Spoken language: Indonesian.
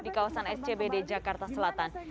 di kawasan scbd jakarta selatan